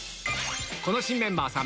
この新メンバーさん